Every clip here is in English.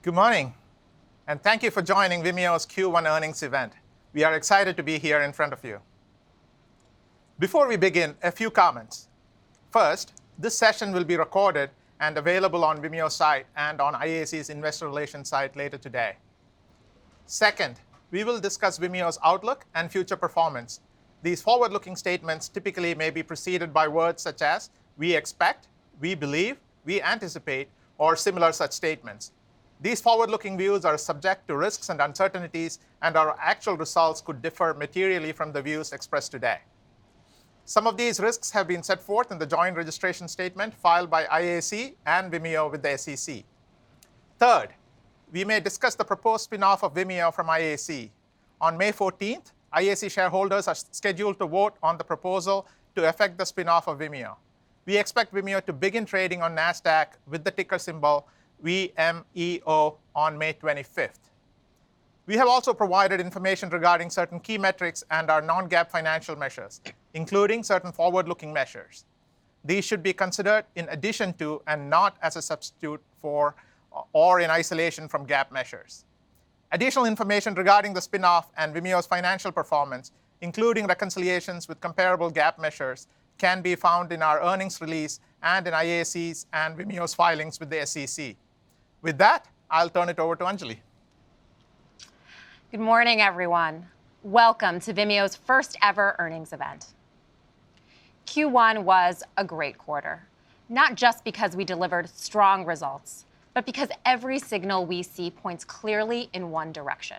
Good morning. Thank you for joining Vimeo's Q1 earnings event. We are excited to be here in front of you. Before we begin, a few comments. First, this session will be recorded and available on Vimeo's site and on IAC's investor relations site later today. Second, we will discuss Vimeo's outlook and future performance. These forward-looking statements typically may be preceded by words such as "we expect," "we believe," "we anticipate," or similar such statements. These forward-looking views are subject to risks and uncertainties. Our actual results could differ materially from the views expressed today. Some of these risks have been set forth in the joint registration statement filed by IAC and Vimeo with the SEC. Third, we may discuss the proposed spin-off of Vimeo from IAC. On May 14th, IAC shareholders are scheduled to vote on the proposal to effect the spin-off of Vimeo. We expect Vimeo to begin trading on Nasdaq with the ticker symbol VMEO on May 25th. We have also provided information regarding certain key metrics and our non-GAAP financial measures, including certain forward-looking measures. These should be considered in addition to and not as a substitute for, or in isolation from, GAAP measures. Additional information regarding the spin-off and Vimeo's financial performance, including reconciliations with comparable GAAP measures, can be found in our earnings release and in IAC's and Vimeo's filings with the SEC. With that, I'll turn it over to Anjali. Good morning, everyone. Welcome to Vimeo's first-ever earnings event. Q1 was a great quarter, not just because we delivered strong results, but because every signal we see points clearly in one direction.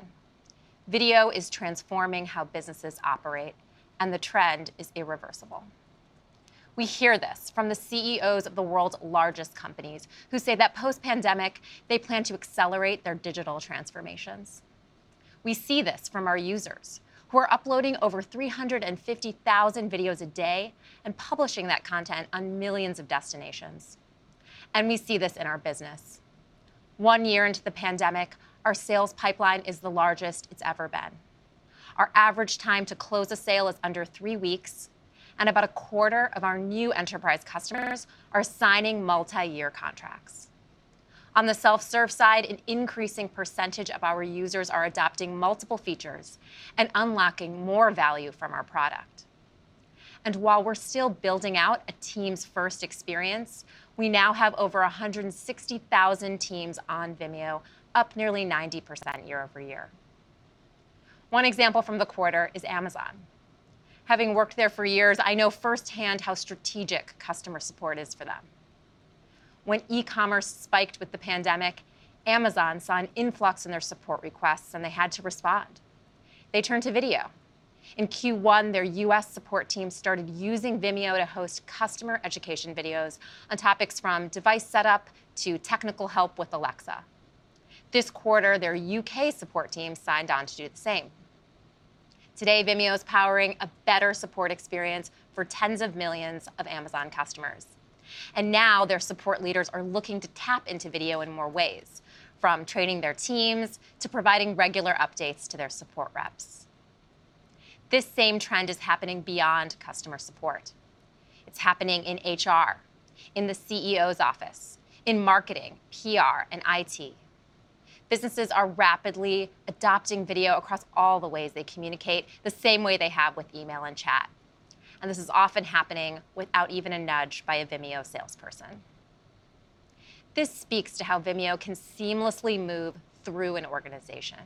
Video is transforming how businesses operate. The trend is irreversible. We hear this from the CEOs of the world's largest companies who say that post-pandemic, they plan to accelerate their digital transformations. We see this from our users who are uploading over 350,000 videos a day and publishing that content on millions of destinations. We see this in our business. One year into the pandemic, our sales pipeline is the largest it's ever been. Our average time to close a sale is under three weeks. About a quarter of our new enterprise customers are signing multi-year contracts. On the self-serve side, an increasing percentage of our users are adopting multiple features and unlocking more value from our product. While we're still building out a teams-first experience, we now have over 160,000 teams on Vimeo, up nearly 90% year-over-year. One example from the quarter is Amazon. Having worked there for years, I know firsthand how strategic customer support is for them. When e-commerce spiked with the pandemic, Amazon saw an influx in their support requests and they had to respond. They turned to video. In Q1, their U.S. support team started using Vimeo to host customer education videos on topics from device setup to technical help with Alexa. This quarter, their U.K. support team signed on to do the same. Today, Vimeo is powering a better support experience for tens of millions of Amazon customers. Now their support leaders are looking to tap into video in more ways, from training their teams to providing regular updates to their support reps. This same trend is happening beyond customer support. It's happening in HR, in the CEO's office, in marketing, PR, and IT. Businesses are rapidly adopting video across all the ways they communicate, the same way they have with email and chat. This is often happening without even a nudge by a Vimeo salesperson. This speaks to how Vimeo can seamlessly move through an organization.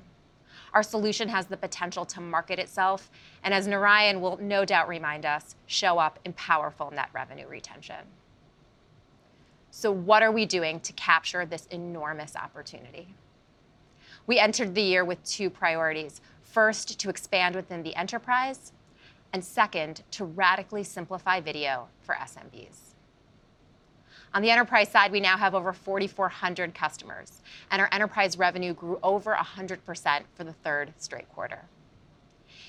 Our solution has the potential to market itself and, as Narayan will no doubt remind us, show up in powerful net revenue retention. What are we doing to capture this enormous opportunity? We entered the year with two priorities. First, to expand within the enterprise, and second, to radically simplify video for SMBs. On the enterprise side, we now have over 4,400 customers. Our enterprise revenue grew over 100% for the third straight quarter.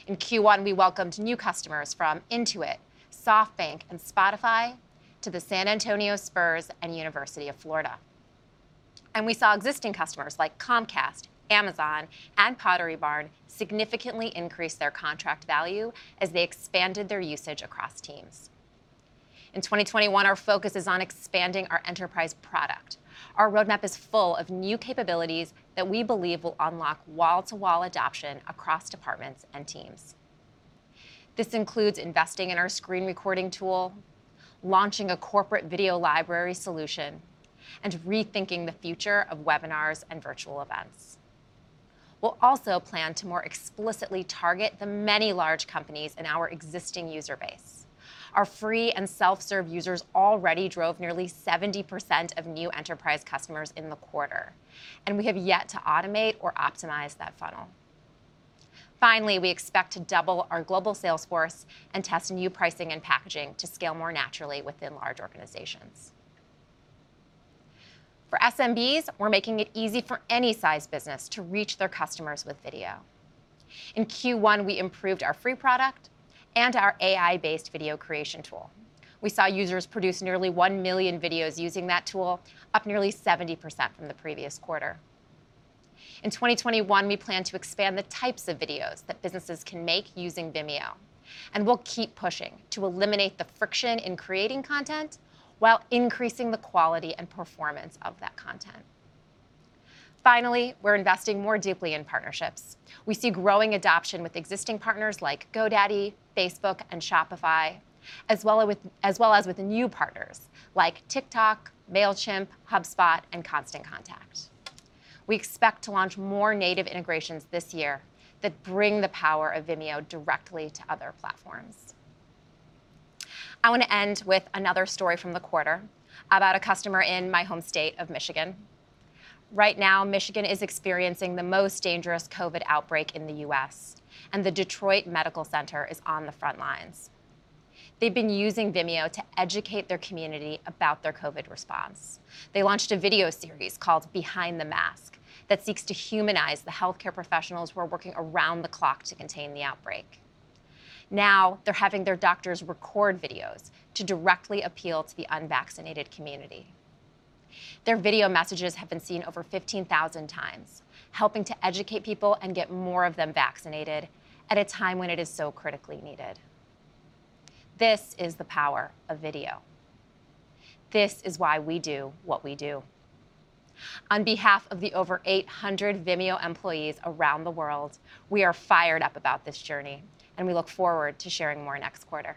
In Q1, we welcomed new customers from Intuit, SoftBank, and Spotify to the San Antonio Spurs and University of Florida. We saw existing customers like Comcast, Amazon, and Pottery Barn significantly increase their contract value as they expanded their usage across teams. In 2021, our focus is on expanding our enterprise product. Our roadmap is full of new capabilities that we believe will unlock wall-to-wall adoption across departments and teams. This includes investing in our screen recording tool, launching a corporate video library solution, and rethinking the future of webinars and virtual events. We'll also plan to more explicitly target the many large companies in our existing user base. Our free and self-serve users already drove nearly 70% of new enterprise customers in the quarter, and we have yet to automate or optimize that funnel. Finally, we expect to double our global sales force and test new pricing and packaging to scale more naturally within large organizations. For SMBs, we're making it easy for any size business to reach their customers with video. In Q1, we improved our free product and our AI-based video creation tool. We saw users produce nearly 1 million videos using that tool, up nearly 70% from the previous quarter. In 2021, we plan to expand the types of videos that businesses can make using Vimeo. We'll keep pushing to eliminate the friction in creating content while increasing the quality and performance of that content. Finally, we're investing more deeply in partnerships. We see growing adoption with existing partners like GoDaddy, Facebook, and Shopify, as well as with new partners like TikTok, Mailchimp, HubSpot, and Constant Contact. We expect to launch more native integrations this year that bring the power of Vimeo directly to other platforms. I want to end with another story from the quarter about a customer in my home state of Michigan. Right now, Michigan is experiencing the most dangerous COVID outbreak in the U.S., and the Detroit Medical Center is on the front lines. They've been using Vimeo to educate their community about their COVID response. They launched a video series called "Behind the Mask" that seeks to humanize the healthcare professionals who are working around the clock to contain the outbreak. They're having their doctors record videos to directly appeal to the unvaccinated community. Their video messages have been seen over 15,000x, helping to educate people and get more of them vaccinated at a time when it is so critically needed. This is the power of video. This is why we do what we do. On behalf of the over 800 Vimeo employees around the world, we are fired up about this journey. We look forward to sharing more next quarter.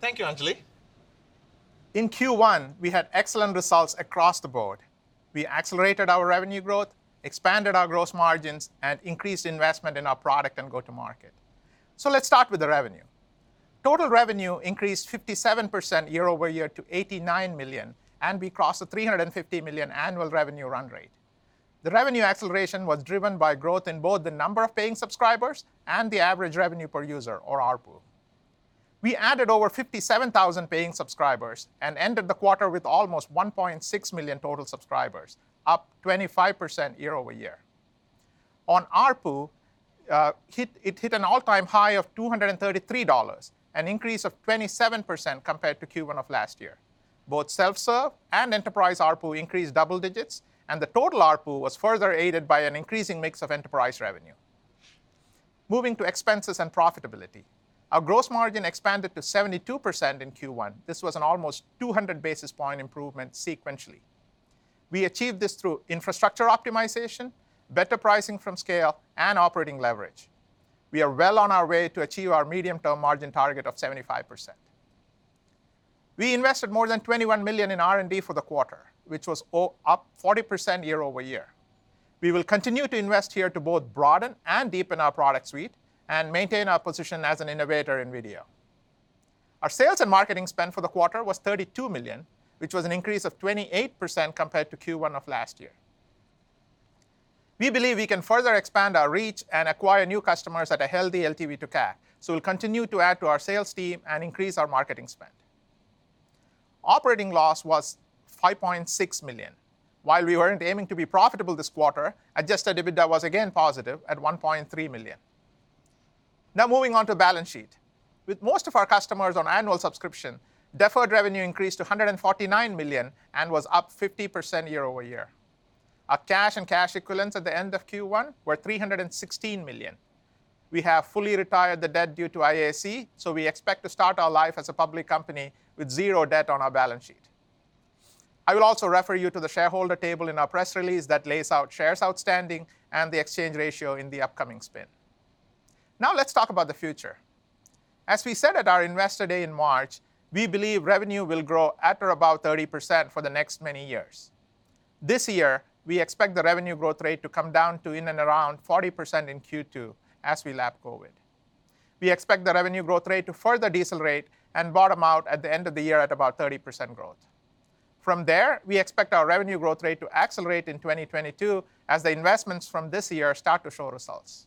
Thank you, Anjali. In Q1, we had excellent results across the board. We accelerated our revenue growth, expanded our gross margins, and increased investment in our product and go-to market. Let's start with the revenue. Total revenue increased 57% year-over-year to $89 million, and we crossed the $350 million annual revenue run rate. The revenue acceleration was driven by growth in both the number of paying subscribers and the average revenue per user, or ARPU. We added over 57,000 paying subscribers and ended the quarter with almost 1.6 million total subscribers, up 25% year-over-year. On ARPU, it hit an all-time high of $233, an increase of 27% compared to Q1 of last year. Both self-serve and enterprise ARPU increased double digits, and the total ARPU was further aided by an increasing mix of enterprise revenue. Moving to expenses and profitability. Our gross margin expanded to 72% in Q1. This was an almost 200-basis point improvement sequentially. We achieved this through infrastructure optimization, better pricing from scale, and operating leverage. We are well on our way to achieve our medium-term margin target of 75%. We invested more than $21 million in R&D for the quarter, which was up 40% year-over-year. We will continue to invest here to both broaden and deepen our product suite and maintain our position as an innovator in video. Our sales and marketing spend for the quarter was $32 million, which was an increase of 28% compared to Q1 of last year. We believe we can further expand our reach and acquire new customers at a healthy LTV to CAC. We'll continue to add to our sales team and increase our marketing spend. Operating loss was $5.6 million. While we weren't aiming to be profitable this quarter, adjusted EBITDA was again positive at $1.3 million. Now, moving on to balance sheet. With most of our customers on annual subscription, deferred revenue increased to $149 million and was up 50% year-over-year. Our cash and cash equivalents at the end of Q1 were $316 million. We have fully retired the debt due to IAC, so we expect to start our life as a public company with zero debt on our balance sheet. I will also refer you to the shareholder table in our press release that lays out shares outstanding and the exchange ratio in the upcoming spin. Now, let's talk about the future. As we said at our Investor Day in March, we believe revenue will grow at or about 30% for the next many years. This year, we expect the revenue growth rate to come down to in and around 40% in Q2 as we lap COVID. We expect the revenue growth rate to further decelerate and bottom out at the end of the year at about 30% growth. From there, we expect our revenue growth rate to accelerate in 2022 as the investments from this year start to show results.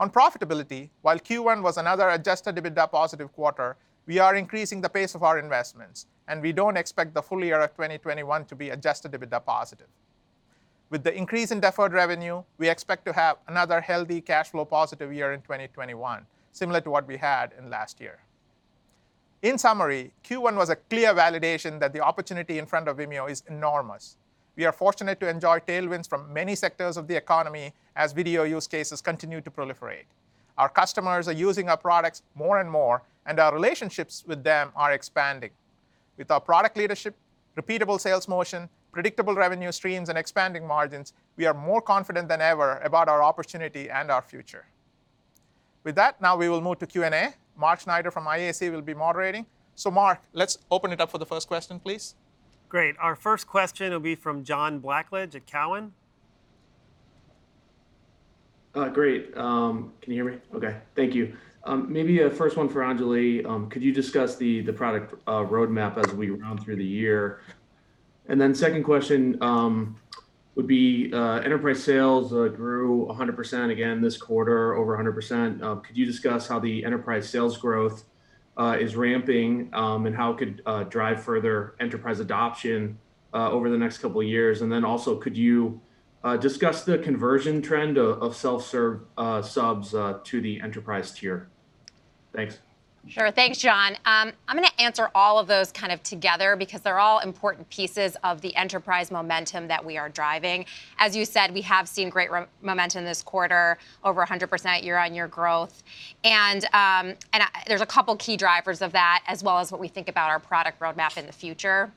On profitability, while Q1 was another adjusted EBITDA positive quarter, we are increasing the pace of our investments, and we don't expect the full year of 2021 to be adjusted EBITDA positive. With the increase in deferred revenue, we expect to have another healthy cash flow positive year in 2021, similar to what we had in last year. In summary, Q1 was a clear validation that the opportunity in front of Vimeo is enormous. We are fortunate to enjoy tailwinds from many sectors of the economy as video use cases continue to proliferate. Our customers are using our products more and more, and our relationships with them are expanding. With our product leadership, repeatable sales motion, predictable revenue streams, and expanding margins, we are more confident than ever about our opportunity and our future. With that, now we will move to Q&A. Mark Schneider from IAC will be moderating. Mark, let's open it up for the first question, please. Great. Our first question will be from John Blackledge at Cowen. Great. Can you hear me? Okay. Thank you. Maybe a first one for Anjali. Could you discuss the product roadmap as we run through the year? Second question would be, enterprise sales grew 100% again this quarter, over 100%. Could you discuss how the enterprise sales growth is ramping, and how it could drive further enterprise adoption over the next couple of years? Also, could you discuss the conversion trend of self-serve subs to the enterprise tier? Thanks. Sure. Thanks, John. I'm going to answer all of those kind of together because they're all important pieces of the enterprise momentum that we are driving. As you said, we have seen great momentum this quarter, over 100% year-over-year growth. There's a couple of key drivers of that, as well as what we think about our product roadmap in the future.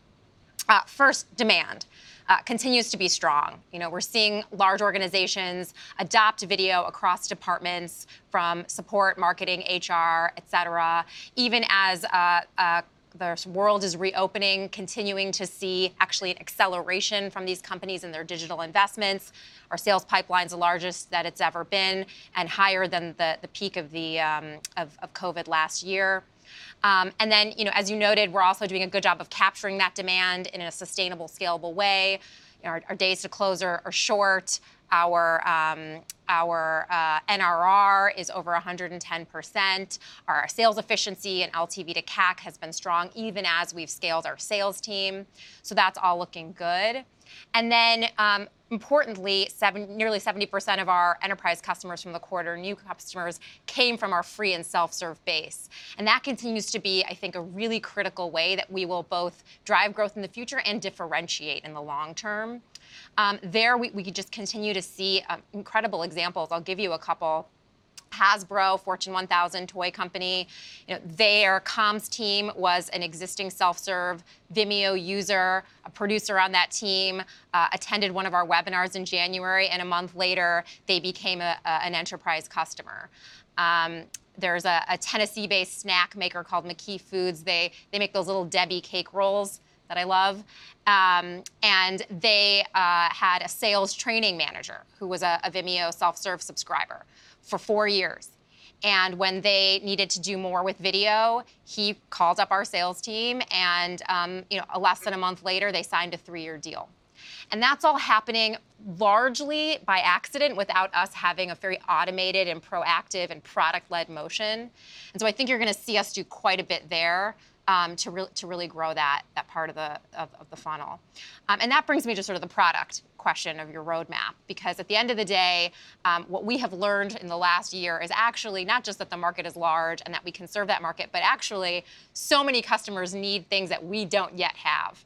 First, demand continues to be strong. We're seeing large organizations adopt video across departments from support, marketing, HR, et cetera, even as the world is reopening, continuing to see actually an acceleration from these companies in their digital investments. Our sales pipeline's the largest that it's ever been and higher than the peak of COVID last year. As you noted, we're also doing a good job of capturing that demand in a sustainable, scalable way. Our days to close are short. Our NRR is over 110%. Our sales efficiency and LTV to CAC has been strong even as we've scaled our sales team. That's all looking good. Importantly, nearly 70% of our enterprise customers from the quarter, new customers, came from our free and self-serve base. That continues to be, I think, a really critical way that we will both drive growth in the future and differentiate in the long term. There, we could just continue to see incredible examples. I'll give you a couple. Hasbro, Fortune 1000 toy company, their comms team was an existing self-serve Vimeo user. A producer on that team attended one of our webinars in January, and a month later, they became an enterprise customer. There's a Tennessee-based snack maker called McKee Foods. They make those Little Debbie cake rolls that I love. They had a sales training manager who was a Vimeo self-serve subscriber for four years. When they needed to do more with video, he called up our sales team and less than a month later, they signed a three-year deal. That's all happening largely by accident without us having a very automated and proactive and product-led motion. I think you're going to see us do quite a bit there to really grow that part of the funnel. That brings me to sort of the product question of your roadmap because, at the end of the day, what we have learned in the last year is actually not just that the market is large and that we can serve that market, but actually, so many customers need things that we don't yet have.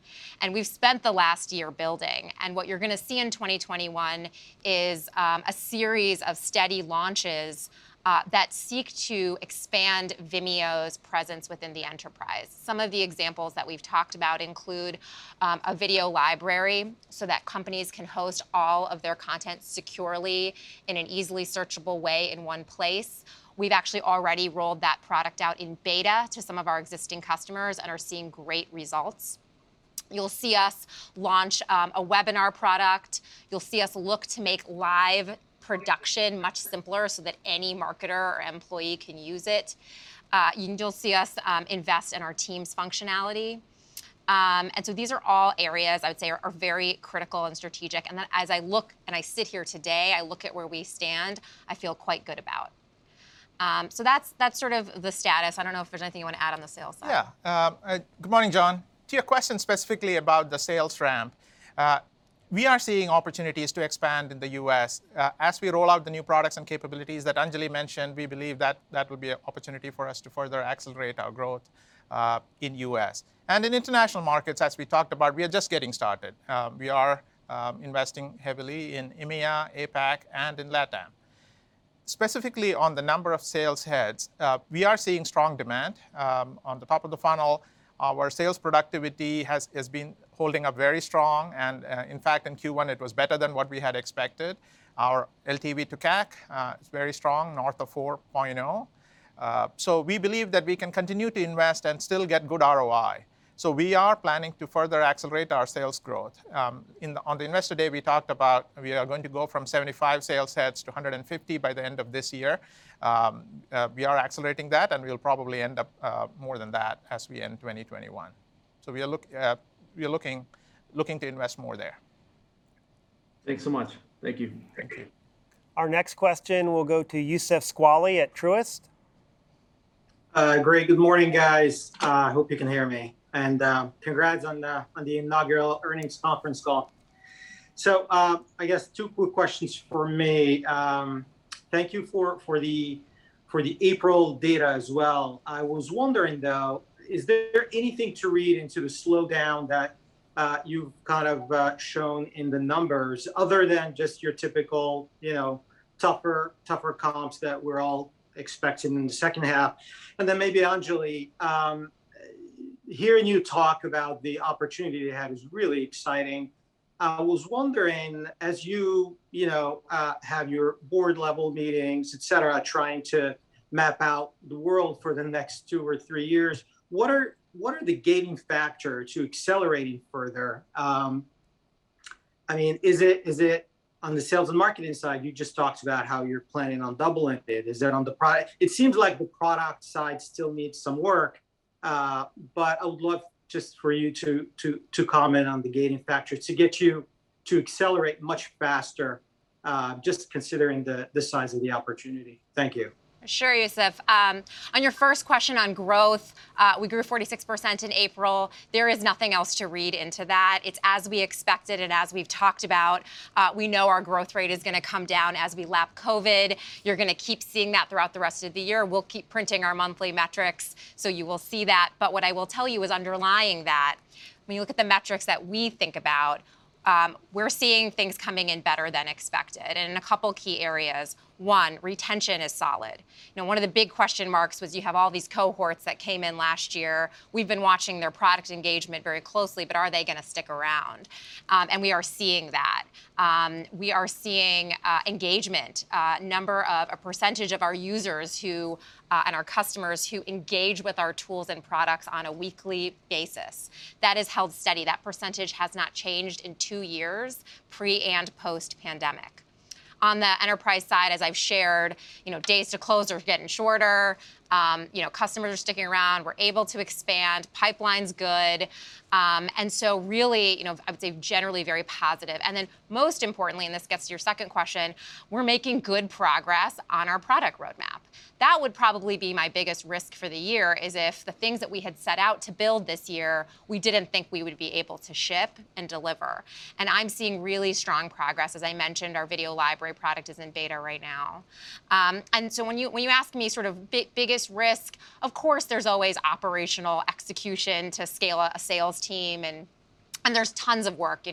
We've spent the last year building. What you're going to see in 2021 is a series of steady launches that seek to expand Vimeo's presence within the enterprise. Some of the examples that we've talked about include a video library so that companies can host all of their content securely in an easily searchable way in one place. We've actually already rolled that product out in beta to some of our existing customers and are seeing great results. You'll see us launch a webinar product. You'll see us look to make live production much simpler so that any marketer or employee can use it. You'll see us invest in our team's functionality. These are all areas I would say are very critical and strategic. As I look and I sit here today, I look at where we stand, I feel quite good about. That's sort of the status. I don't know if there's anything you want to add on the sales side? Good morning, John. To your question specifically about the sales ramp, we are seeing opportunities to expand in the U.S. As we roll out the new products and capabilities that Anjali mentioned, we believe that will be an opportunity for us to further accelerate our growth in U.S. In international markets, as we talked about, we are just getting started. We are investing heavily in EMEA, APAC, and in LATAM. Specifically on the number of sales heads, we are seeing strong demand. On the top of the funnel, our sales productivity has been holding up very strong. In fact, in Q1, it was better than what we had expected. Our LTV to CAC is very strong, north of 4.0. We believe that we can continue to invest and still get good ROI. We are planning to further accelerate our sales growth. On the investor day, we talked about we are going to go from 75 sales heads to 150 by the end of this year. We are accelerating that, and we'll probably end up more than that as we end 2021. We are looking to invest more there. Thanks so much. Thank you. Thank you. Our next question will go to Youssef Squali at Truist. Great. Good morning, guys. Hope you can hear me. Congrats on the inaugural earnings conference call. I guess two quick questions from me. Thank you for the April data as well. I was wondering, though, is there anything to read into the slowdown that you've kind of shown in the numbers other than just your typical tougher comps that we're all expecting in the second half? Then maybe Anjali, hearing you talk about the opportunity you have is really exciting. I was wondering, as you have your board-level meetings, et cetera, trying to map out the world for the next two or three years, what are the gating factor to accelerating further? I mean, is it on the sales and marketing side? You just talked about how you're planning on doubling it. Is that on the product? It seems like the product side still needs some work. I would love just for you to comment on the gating factor to get you to accelerate much faster. Just considering the size of the opportunity. Thank you. Sure, Youssef. On your first question on growth, we grew 46% in April. There is nothing else to read into that. It's as we expected and as we've talked about. We know our growth rate is going to come down as we lap COVID. You're going to keep seeing that throughout the rest of the year. We'll keep printing our monthly metrics, so you will see that. What I will tell you is underlying that, when you look at the metrics that we think about, we're seeing things coming in better than expected in a couple key areas. One, retention is solid. One of the big question marks was you have all these cohorts that came in last year. We've been watching their product engagement very closely, but are they going to stick around? We are seeing that. We are seeing engagement, a percentage of our users and our customers who engage with our tools and products on a weekly basis. That has held steady. That percentage has not changed in two years, pre and post-pandemic. On the enterprise side, as I've shared, days to close are getting shorter. Customers are sticking around. We're able to expand. Pipeline's good. Really, I would say generally very positive. Most importantly, and this gets to your second question, we're making good progress on our product roadmap. That would probably be my biggest risk for the year, is if the things that we had set out to build this year, we didn't think we would be able to ship and deliver. I'm seeing really strong progress. As I mentioned, our video library product is in beta right now. When you ask me sort of biggest risk, of course, there's always operational execution to scale a sales team and there's tons of work.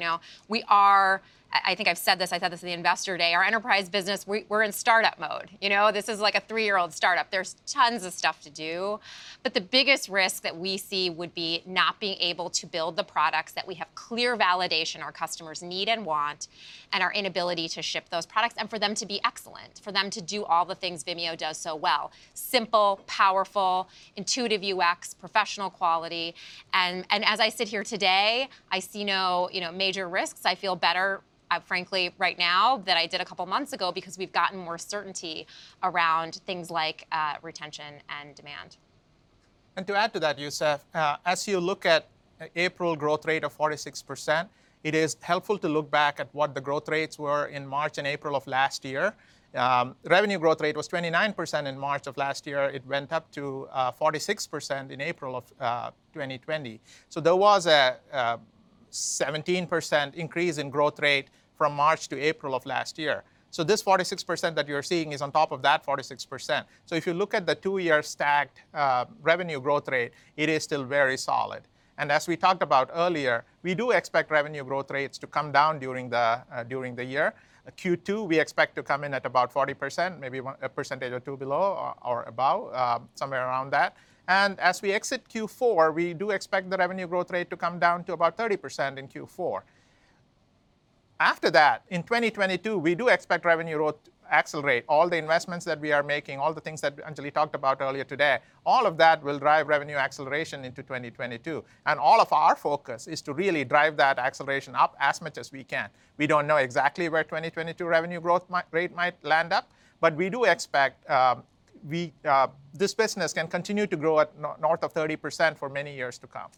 I think I've said this, I said this in the investor day, our enterprise business, we're in startup mode. This is like a three-year-old startup. There's tons of stuff to do. The biggest risk that we see would be not being able to build the products that we have clear validation our customers need and want, and our inability to ship those products and for them to be excellent, for them to do all the things Vimeo does so well. Simple, powerful, intuitive UX, professional quality. As I sit here today, I see no major risks. I feel better, frankly, right now than I did a couple of months ago because we've gotten more certainty around things like retention and demand. To add to that, Youssef, as you look at April growth rate of 46%, it is helpful to look back at what the growth rates were in March and April of last year. Revenue growth rate was 29% in March of last year. It went up to 46% in April of 2020. There was a 17% increase in growth rate from March to April of last year. This 46% that you're seeing is on top of that 46%. If you look at the two-year stacked revenue growth rate, it is still very solid. As we talked about earlier, we do expect revenue growth rates to come down during the year. Q2, we expect to come in at about 40%, maybe a percentage or two below or about, somewhere around that. As we exit Q4, we do expect the revenue growth rate to come down to about 30% in Q4. After that, in 2022, we do expect revenue growth to accelerate. All the investments that we are making, all the things that Anjali talked about earlier today, all of that will drive revenue acceleration into 2022. All of our focus is to really drive that acceleration up as much as we can. We don't know exactly where 2022 revenue growth rate might land up, but we do expect this business can continue to grow at north of 30% for many years to come.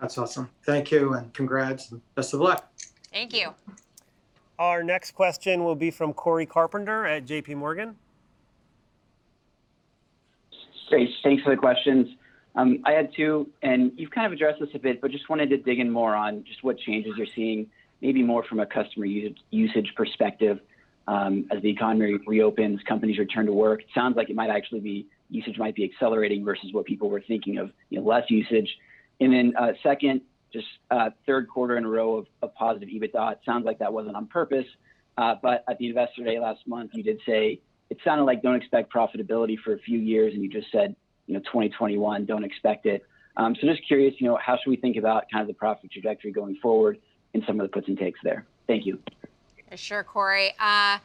That's awesome. Thank you, and congrats, and best of luck. Thank you. Our next question will be from Cory Carpenter at JPMorgan. Great. Thanks for the questions. I had two, and you've kind of addressed this a bit, but just wanted to dig in more on just what changes you're seeing, maybe more from a customer usage perspective as the economy reopens, companies return to work. Sounds like usage might be accelerating versus what people were thinking of less usage. Second, just 3rd quarter in a row of positive EBITDA. It sounds like that wasn't on purpose, but at the investor day last month, you did say it sounded like don't expect profitability for a few years, and you just said 2021, don't expect it. Just curious, how should we think about kind of the profit trajectory going forward and some of the puts and takes there? Thank you. Sure, Cory. On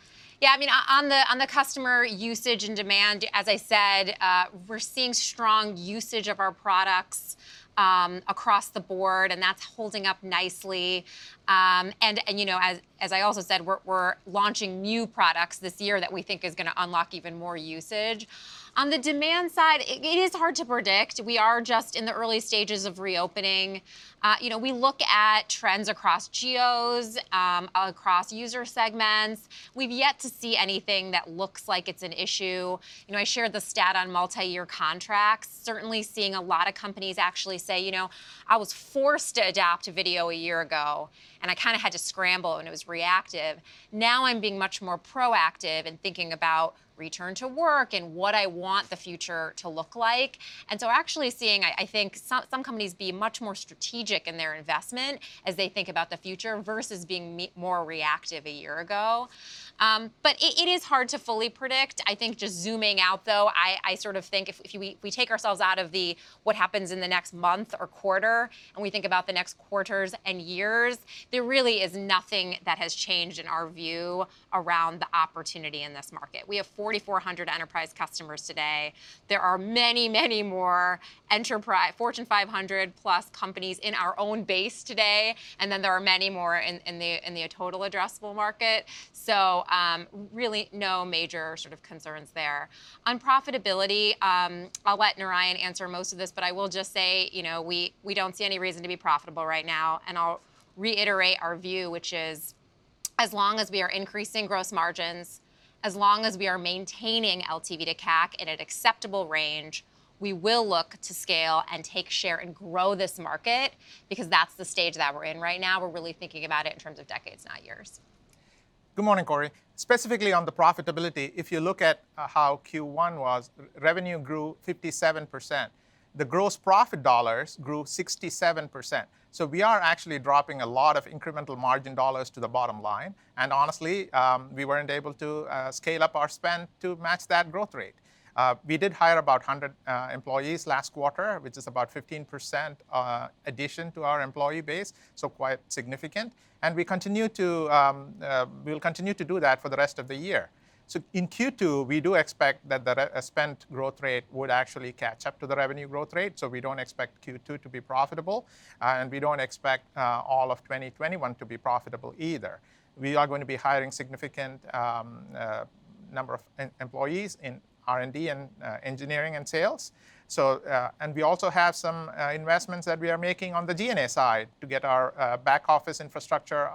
the customer usage and demand, as I said, we're seeing strong usage of our products across the board. That's holding up nicely. As I also said, we're launching new products this year that we think is going to unlock even more usage. On the demand side, it is hard to predict. We are just in the early stages of reopening. We look at trends across geos, across user segments. We've yet to see anything that looks like it's an issue. I shared the stat on multi-year contracts. Certainly seeing a lot of companies actually say, "I was forced to adapt to video a year ago, and I kind of had to scramble, and it was reactive. Now I'm being much more proactive and thinking about return to work and what I want the future to look like. Actually seeing, I think, some companies be much more strategic in their investment as they think about the future versus being more reactive a year ago. It is hard to fully predict. I think just zooming out, though, I sort of think if we take ourselves out of the what happens in the next month or quarter and we think about the next quarters and years, there really is nothing that has changed in our view around the opportunity in this market. We have 4,400 enterprise customers today. There are many, many more Fortune 500 plus companies in our own base today, and then there are many more in the total addressable market. Really no major sort of concerns there. On profitability, I'll let Narayan answer most of this, but I will just say we don't see any reason to be profitable right now. I'll reiterate our view, which is, as long as we are increasing gross margins, as long as we are maintaining LTV to CAC at an acceptable range, we will look to scale and take share and grow this market because that's the stage that we're in right now. We're really thinking about it in terms of decades, not years. Good morning, Cory. Specifically on the profitability, if you look at how Q1 was, revenue grew 57%. The gross profit dollars grew 67%. Honestly, we weren't able to scale up our spend to match that growth rate. We did hire about 100 employees last quarter, which is about a 15% addition to our employee base, so quite significant. We'll continue to do that for the rest of the year. In Q2, we do expect that the spend growth rate would actually catch up to the revenue growth rate. We don't expect Q2 to be profitable, and we don't expect all of 2021 to be profitable either. We are going to be hiring a significant number of employees in R&D and engineering and sales. We also have some investments that we are making on the G&A side to get our back office infrastructure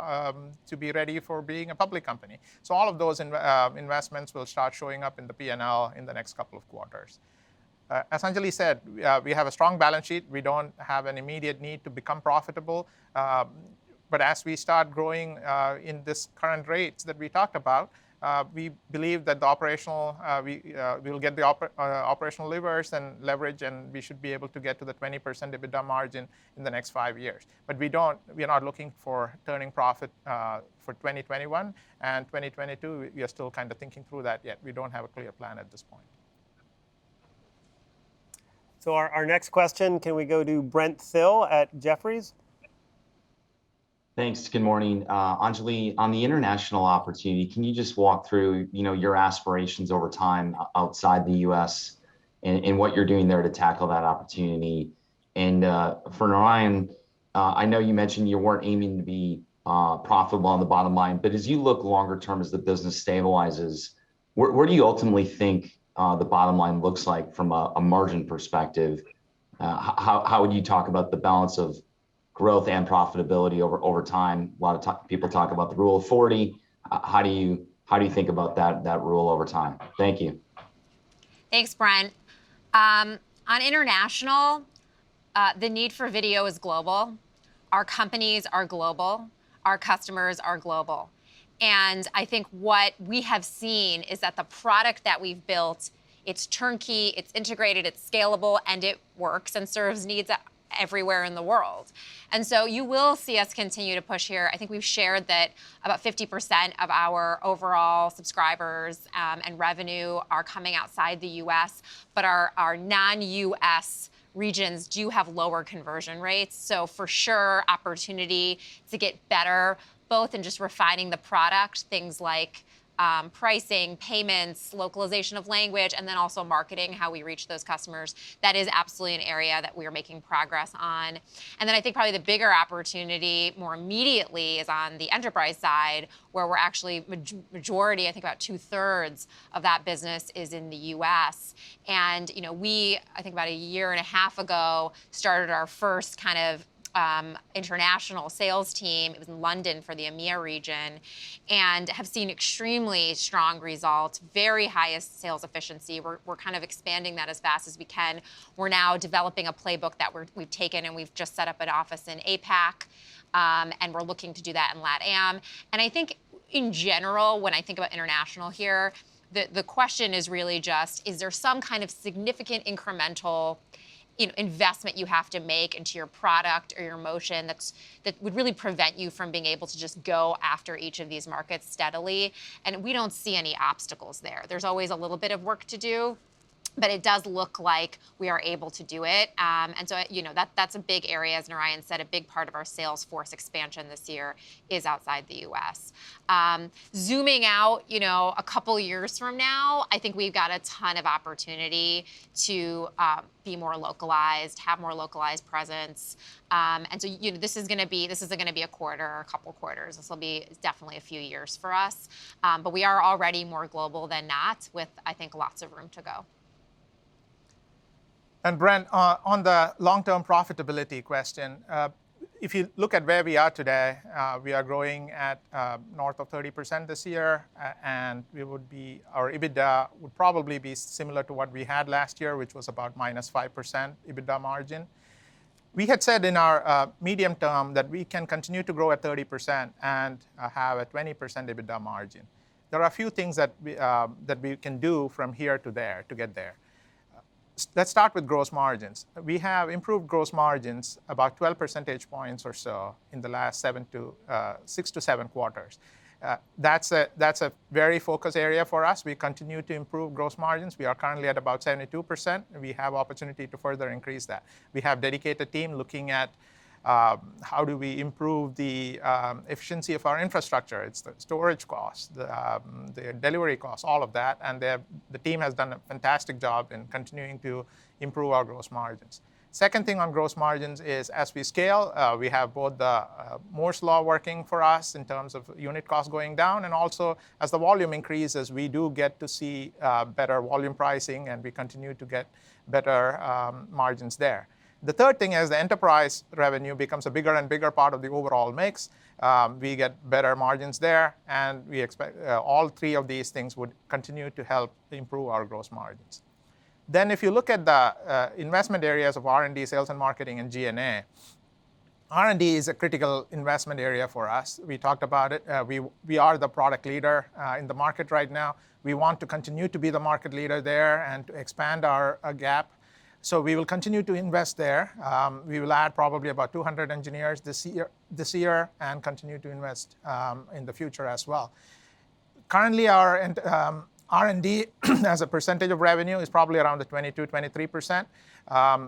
to be ready for being a public company. All of those investments will start showing up in the P&L in the next couple of quarters. As Anjali said, we have a strong balance sheet. We don't have an immediate need to become profitable. As we start growing, in these current rates that we talked about, we believe that we will get the operational leverage, and we should be able to get to the 20% EBITDA margin in the next five years. We are not looking for turning profit for 2021, and 2022, we are still thinking through that yet. We don't have a clear plan at this point. Our next question, can we go to Brent Thill at Jefferies? Thanks. Good morning. Anjali, on the international opportunity, can you just walk through your aspirations over time outside the U.S. and what you're doing there to tackle that opportunity? For Narayan, I know you mentioned you weren't aiming to be profitable on the bottom line, but as you look longer term as the business stabilizes, where do you ultimately think the bottom line looks like from a margin perspective? How would you talk about the balance of growth and profitability over time? A lot of people talk about the Rule of 40. How do you think about that rule over time? Thank you. Thanks, Brent. On international, the need for video is global. Our companies are global. Our customers are global. I think what we have seen is that the product that we've built, it's turnkey, it's integrated, it's scalable, and it works and serves needs everywhere in the world. You will see us continue to push here. I think we've shared that about 50% of our overall subscribers and revenue are coming outside the U.S., our non-U.S. regions do have lower conversion rates. For sure, opportunity to get better, both in just refining the product, things like pricing, payments, localization of language, and then also marketing, how we reach those customers. That is absolutely an area that we are making progress on. I think probably the bigger opportunity more immediately is on the enterprise side, where we're actually majority, I think about two-thirds of that business is in the U.S. We, I think about a year and a half ago, started our first international sales team. It was in London for the EMEAR region and have seen extremely strong results, very highest sales efficiency. We're expanding that as fast as we can. We're now developing a playbook that we've taken, and we've just set up an office in APAC, and we're looking to do that in LATAM. I think in general, when I think about international here, the question is really just, is there some kind of significant incremental investment you have to make into your product or your motion that would really prevent you from being able to just go after each of these markets steadily? We don't see any obstacles there. There's always a little bit of work to do, but it does look like we are able to do it. That's a big area, as Narayan said, a big part of our sales force expansion this year is outside the U.S. Zooming out a couple of years from now, I think we've got a ton of opportunity to be more localized, have more localized presence. This isn't going to be a quarter or a couple of quarters. This will be definitely a few years for us. But we are already more global than not with, I think, lots of room to go. Brent, on the long-term profitability question, if you look at where we are today, we are growing at north of 30% this year, and our EBITDA would probably be similar to what we had last year, which was about -5% EBITDA margin. We had said in our medium term that we can continue to grow at 30% and have a 20% EBITDA margin. There are a few things that we can do from here to there to get there. Let's start with gross margins. We have improved gross margins about 12 percentage points or so in the last six to seven quarters. That's a very focused area for us. We continue to improve gross margins. We are currently at about 72%, and we have opportunity to further increase that. We have dedicated team looking at how do we improve the efficiency of our infrastructure. It's the storage cost, the delivery cost, all of that, and the team has done a fantastic job in continuing to improve our gross margins. Second thing on gross margins is as we scale, we have both the Moore's Law working for us in terms of unit cost going down, and also as the volume increases, we do get to see better volume pricing and we continue to get better margins there. The third thing is the enterprise revenue becomes a bigger and bigger part of the overall mix. We get better margins there, and we expect all three of these things would continue to help improve our gross margins. If you look at the investment areas of R&D, sales and marketing, and G&A. R&D is a critical investment area for us. We talked about it. We are the product leader in the market right now. We want to continue to be the market leader there and to expand our gap. We will continue to invest there. We will add probably about 200 engineers this year and continue to invest in the future as well. Currently, our R&D as a % of revenue is probably around the 22%-23%.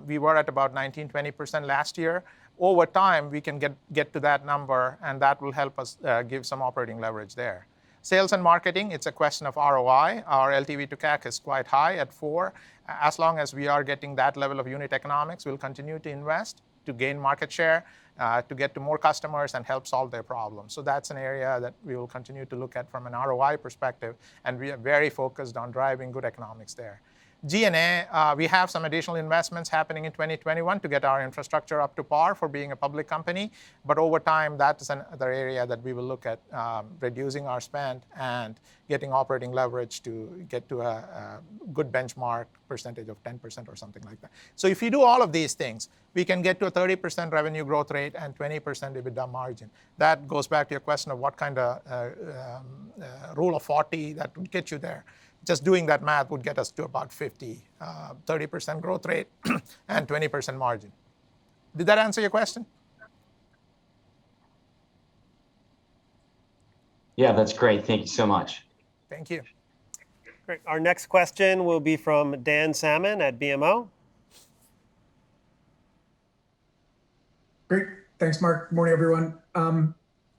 We were at about 19%-20% last year. Over time, we can get to that number, and that will help us give some operating leverage there. Sales and marketing, it's a question of ROI. Our LTV to CAC is quite high at four. As long as we are getting that level of unit economics, we'll continue to invest to gain market share, to get to more customers, and help solve their problems. That's an area that we will continue to look at from an ROI perspective, and we are very focused on driving good economics there. G&A, we have some additional investments happening in 2021 to get our infrastructure up to par for being a public company. Over time, that is another area that we will look at reducing our spend and getting operating leverage to get to a good benchmark percentage of 10% or something like that. If you do all of these things, we can get to a 30% revenue growth rate and 20% EBITDA margin. That goes back to your question of what kind of Rule of 40 that would get you there. Just doing that math would get us to about 50, 30% growth rate and 20% margin. Did that answer your question? Yeah, that's great. Thank you so much. Thank you. Great. Our next question will be from Dan Salmon at BMO. Great. Thanks, Mark. Morning, everyone.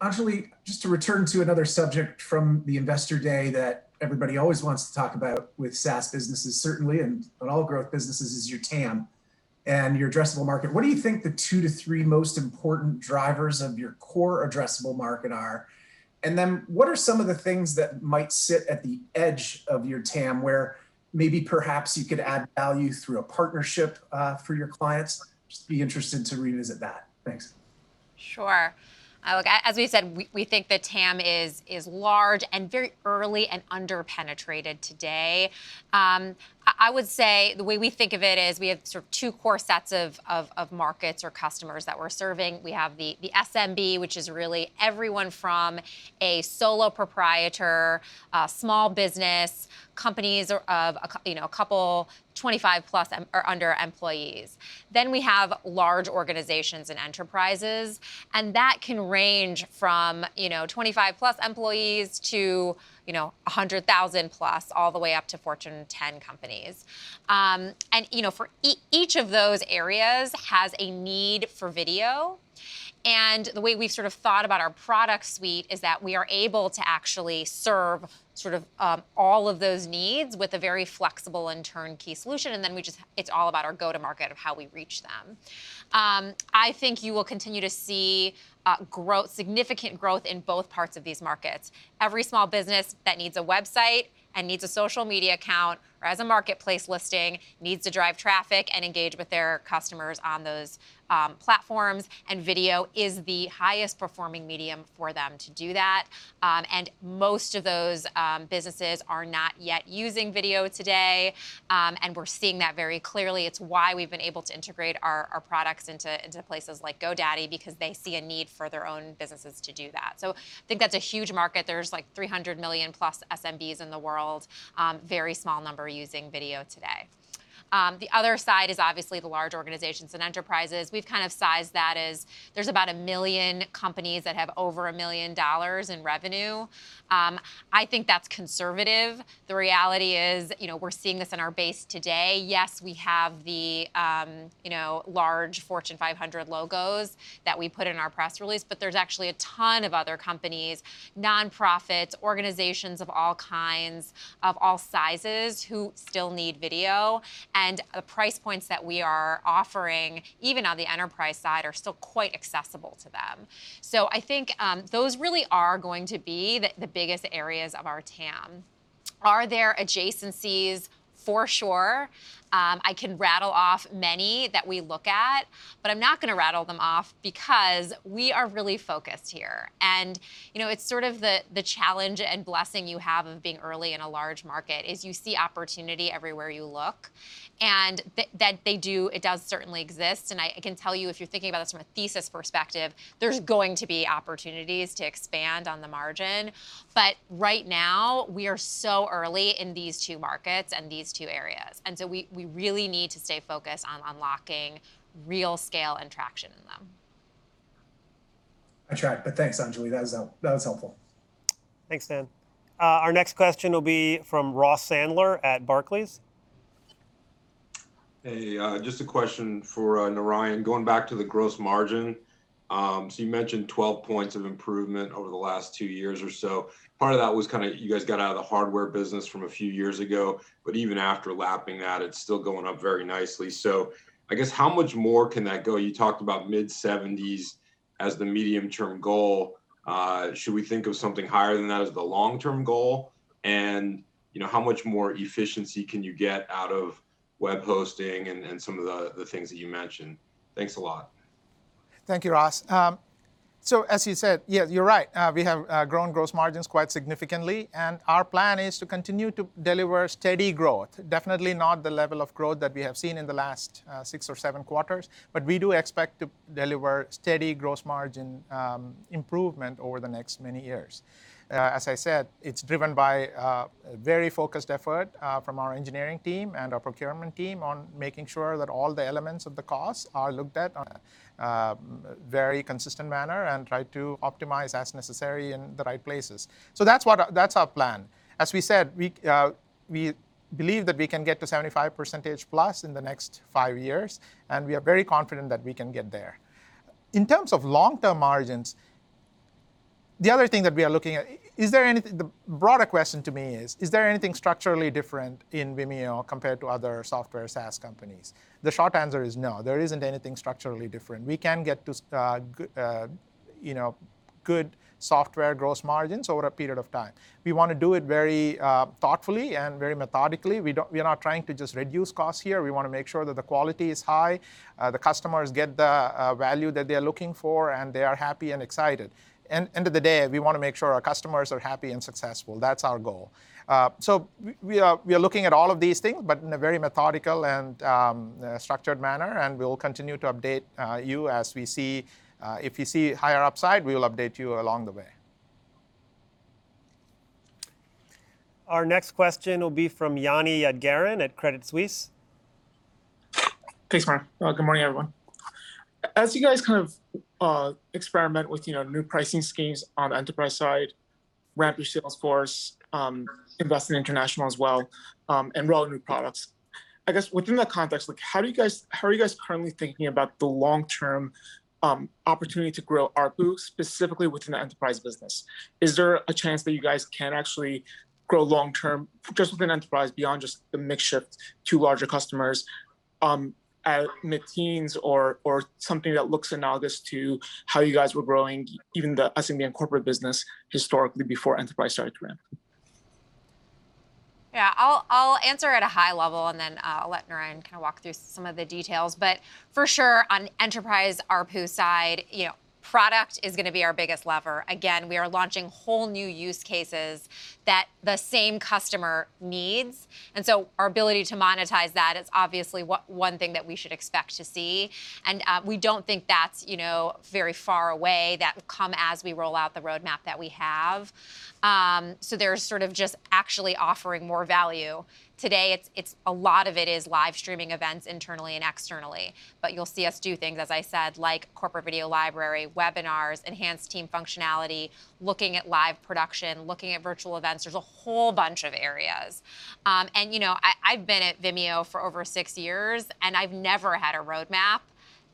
Anjali, just to return to another subject from the investor day that everybody always wants to talk about with SaaS businesses, certainly, and all growth businesses is your TAM and your addressable market. What do you think the two to three most important drivers of your core addressable market are? What are some of the things that might sit at the edge of your TAM, where maybe perhaps you could add value through a partnership for your clients? Just be interested to revisit that. Thanks. Sure. Look, as we said, we think the TAM is large and very early and under-penetrated today. I would say the way we think of it is we have sort of two core sets of markets or customers that we're serving. We have the SMB, which is really everyone from a solo proprietor, small business, companies of a couple, 25 or under employees. We have large organizations and enterprises, and that can range from 25+ employees to 100,000+, all the way up to Fortune 10 companies. Each of those areas has a need for video, and the way we've sort of thought about our product suite is that we are able to actually serve all of those needs with a very flexible and turnkey solution, and then it's all about our go-to-market of how we reach them. I think you will continue to see significant growth in both parts of these markets. Every small business that needs a website and needs a social media account or has a marketplace listing needs to drive traffic and engage with their customers on those platforms, and video is the highest-performing medium for them to do that. Most of those businesses are not yet using video today, and we're seeing that very clearly. It's why we've been able to integrate our products into places like GoDaddy because they see a need for their own businesses to do that. I think that's a huge market. There's like 300 million plus SMBs in the world. Very small number using video today. The other side is obviously the large organizations and enterprises. We've kind of sized that as there's about 1 million companies that have over $1 million in revenue. I think that's conservative. The reality is we're seeing this in our base today. Yes, we have the large Fortune 500 logos that we put in our press release. There's actually a ton of other companies, nonprofits, organizations of all kinds, of all sizes who still need video. The price points that we are offering, even on the enterprise side, are still quite accessible to them. I think those really are going to be the biggest areas of our TAM. Are there adjacencies? For sure. I can rattle off many that we look at. I'm not going to rattle them off because we are really focused here. It's sort of the challenge and blessing you have of being early in a large market is you see opportunity everywhere you look, and it does certainly exist. I can tell you if you're thinking about this from a thesis perspective, there's going to be opportunities to expand on the margin. Right now, we are so early in these two markets and these two areas, and so we really need to stay focused on unlocking real scale and traction in them. I track, thanks, Anjali. That was helpful. Thanks, Dan. Our next question will be from Ross Sandler at Barclays. Hey, just a question for Narayan. Going back to the gross margin. You mentioned 12 points of improvement over the last two years or so. Part of that was you guys got out of the hardware business from a few years ago, but even after lapping that, it's still going up very nicely. I guess how much more can that go? You talked about mid-70s as the medium-term goal. Should we think of something higher than that as the long-term goal? How much more efficiency can you get out of web hosting and some of the things that you mentioned? Thanks a lot. Thank you, Ross. As you said, yes, you're right. We have grown gross margins quite significantly, and our plan is to continue to deliver steady growth. Definitely not the level of growth that we have seen in the last six or seven quarters, but we do expect to deliver steady gross margin improvement over the next many years. As I said, it's driven by very focused effort from our engineering team and our procurement team on making sure that all the elements of the cost are looked at in a very consistent manner and try to optimize as necessary in the right places. That's our plan. As we said, we believe that we can get to 75%+ in the next five years, and we are very confident that we can get there. In terms of long-term margins, the other thing that we are looking at, the broader question to me is there anything structurally different in Vimeo compared to other software SaaS companies? The short answer is no, there isn't anything structurally different. We can get to good software gross margins over a period of time. We want to do it very thoughtfully and very methodically. We are not trying to just reduce costs here. We want to make sure that the quality is high, the customers get the value that they're looking for, and they are happy and excited. At the end of the day, we want to make sure our customers are happy and successful. That's our goal. We are looking at all of these things, but in a very methodical and structured manner, and we'll continue to update you as we see. If you see higher upside, we will update you along the way. Our next question will be from Yoni Yadgaran at Credit Suisse. Thanks, Mark. Good morning, everyone. You guys experiment with new pricing schemes on the enterprise side, ramp your sales force, invest in international as well, and roll out new products. I guess within that context, how are you guys currently thinking about the long-term opportunity to grow ARPU specifically within the enterprise business? Is there a chance that you guys can actually grow long term just within enterprise beyond just the mix shift to larger customers at mid-teens or something that looks analogous to how you guys were growing even the SMB and corporate business historically before enterprise started to ramp? I'll answer at a high level, and then I'll let Narayan kind of walk through some of the details. For sure, on enterprise ARPU side, product is going to be our biggest lever. Again, we are launching whole new use cases that the same customer needs, our ability to monetize that is obviously one thing that we should expect to see, and we don't think that's very far away. That will come as we roll out the roadmap that we have. They're sort of just actually offering more value. Today, a lot of it is live streaming events internally and externally. You'll see us do things, as I said, like corporate video library, webinars, enhanced team functionality, looking at live production, looking at virtual events. There's a whole bunch of areas. I've been at Vimeo for over six years, and I've never had a roadmap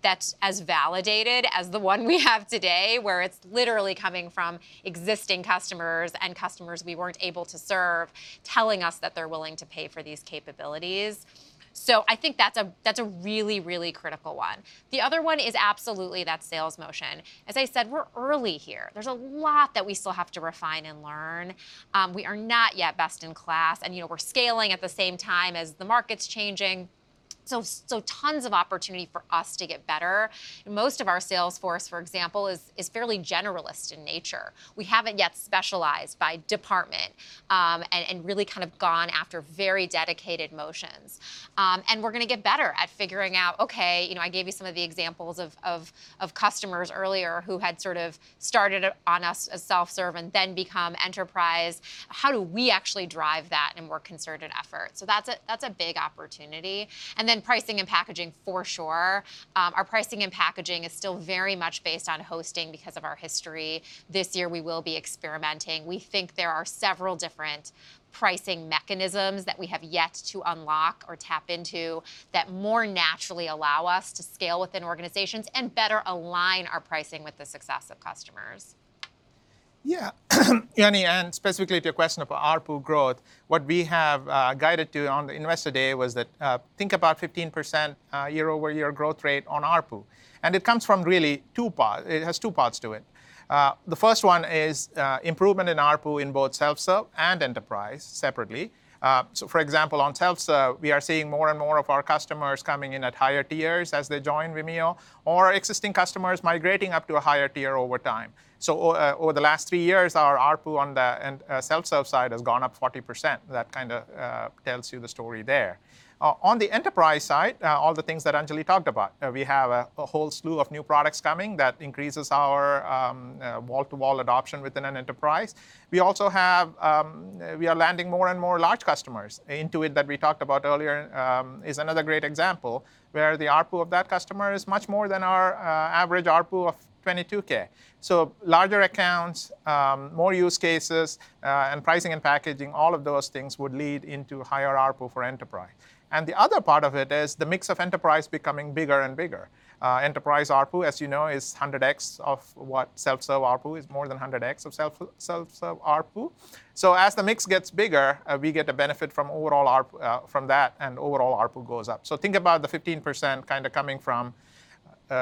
that's as validated as the one we have today, where it's literally coming from existing customers and customers we weren't able to serve, telling us that they're willing to pay for these capabilities. I think that's a really, really critical one. The other one is absolutely that sales motion. As I said, we're early here. There's a lot that we still have to refine and learn. We are not yet best in class, and we're scaling at the same time as the market's changing, so tons of opportunity for us to get better. Most of our sales force, for example, is fairly generalist in nature. We haven't yet specialized by department and really kind of gone after very dedicated motions. We're going to get better at figuring out, okay, I gave you some of the examples of customers earlier who had sort of started on us as self-serve and then become enterprise. How do we actually drive that in a more concerted effort? That's a big opportunity. Pricing and packaging for sure. Our pricing and packaging is still very much based on hosting because of our history. This year, we will be experimenting. We think there are several different pricing mechanisms that we have yet to unlock or tap into that more naturally allow us to scale within organizations and better align our pricing with the success of customers. Shyam Patil, specifically to your question about ARPU growth, what we have guided to on the investor day was that think about 15% year-over-year growth rate on ARPU. It comes from really two parts. It has two parts to it. The first one is improvement in ARPU in both self-serve and enterprise separately. For example, on self-serve, we are seeing more and more of our customers coming in at higher tiers as they join Vimeo or existing customers migrating up to a higher tier over time. Over the last three years, our ARPU on the self-serve side has gone up 40%. That kind of tells you the story there. On the enterprise side, all the things that Anjali Sud talked about. We have a whole slew of new products coming that increases our wall-to-wall adoption within an enterprise. We are landing more and more large customers. Intuit, that we talked about earlier, is another great example, where the ARPU of that customer is much more than our average ARPU of $22K. Larger accounts, more use cases, and pricing and packaging, all of those things would lead into higher ARPU for enterprise. The other part of it is the mix of enterprise becoming bigger and bigger. Enterprise ARPU, as you know, is 100x of what self-serve ARPU is, more than 100x of self-serve ARPU. As the mix gets bigger, we get the benefit from that, and overall ARPU goes up. Think about the 15% kind of coming from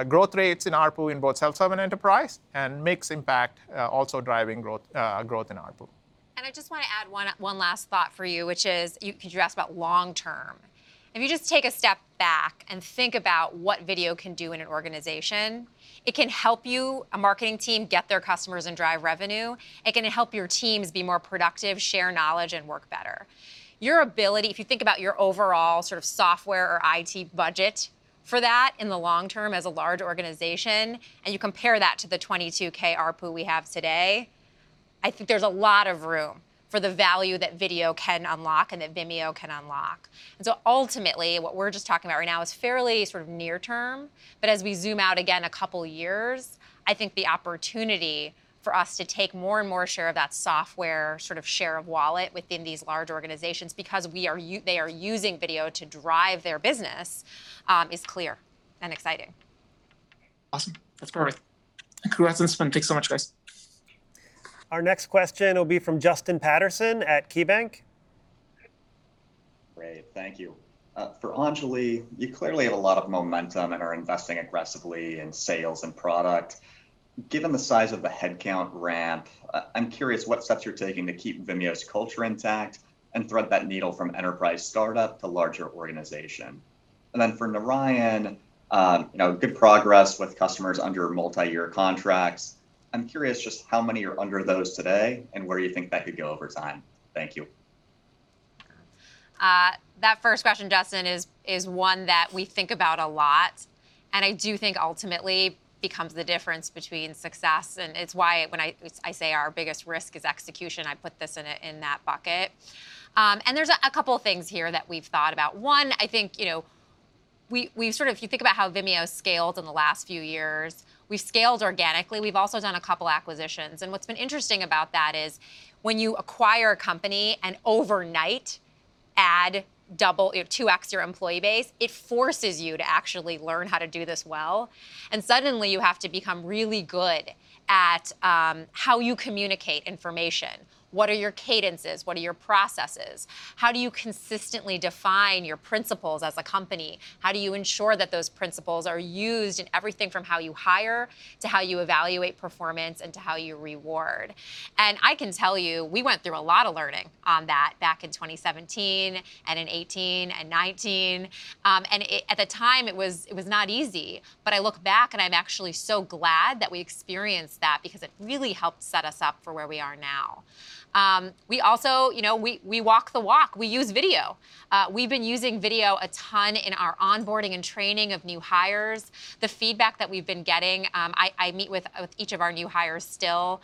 growth rates in ARPU in both self-serve and enterprise and mix impact also driving growth in ARPU. I just want to add one last thought for you, which is you asked about long term. If you just take a step back and think about what video can do in an organization, it can help you, a marketing team, get their customers and drive revenue. It can help your teams be more productive, share knowledge, and work better. If you think about your overall sort of software or IT budget for that in the long term as a large organization, and you compare that to the $22K ARPU we have today, I think there's a lot of room for the value that video can unlock and that Vimeo can unlock. Ultimately, what we're just talking about right now is fairly sort of near term, but as we zoom out again a couple years, I think the opportunity for us to take more and more share of that software sort of share of wallet within these large organizations because they are using video to drive their business, is clear and exciting. Awesome. That's perfect. Congrats on spin. Thanks so much, guys. Our next question will be from Justin Patterson at KeyBanc. Great. Thank you. For Anjali, you clearly have a lot of momentum and are investing aggressively in sales and product. Given the size of the headcount ramp, I'm curious what steps you're taking to keep Vimeo's culture intact and thread that needle from enterprise startup to larger organization. Then for Narayan, good progress with customers under multi-year contracts. I'm curious just how many are under those today, and where you think that could go over time. Thank you. That first question, Justin, is one that we think about a lot, and I do think ultimately becomes the difference between success and it's why when I say our biggest risk is execution, I put this in that bucket. There's a couple things here that we've thought about. One, I think if you think about how Vimeo's scaled in the last few years, we've scaled organically. We've also done a couple acquisitions, and what's been interesting about that is when you acquire a company and overnight add double, you 2x your employee base, it forces you to actually learn how to do this well, and suddenly you have to become really good at how you communicate information. What are your cadences? What are your processes? How do you consistently define your principles as a company? How do you ensure that those principles are used in everything from how you hire, to how you evaluate performance, and to how you reward? I can tell you, we went through a lot of learning on that back in 2017 and in 2018 and 2019. At the time, it was not easy, but I look back and I'm actually so glad that we experienced that because it really helped set us up for where we are now. We walk the walk. We use video. We've been using video a ton in our onboarding and training of new hires. The feedback that we've been getting, I meet with each of our new hires still.